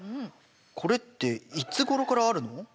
これっていつごろからあるの？